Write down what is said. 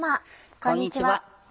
こんにちは。